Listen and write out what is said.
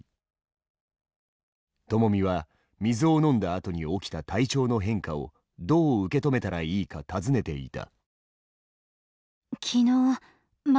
ともみは水を飲んだあとに起きた体調の変化をどう受け止めたらいいか尋ねていた。